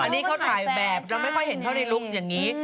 อันนี้เขาถ่ายแบบเราไม่ค่อยเห็นเขาในลุคอย่างนี้